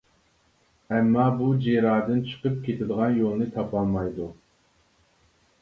ئەمما بۇ جىرادىن چىقىپ كېتىدىغان يولنى تاپالمايدۇ.